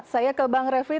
saya ke bang refli